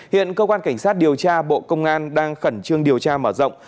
hiện cơ quan cảnh sát điều tra bộ công an đang khẩn trương điều tra mở rộng